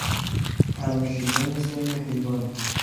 تراشیدن سم حیوان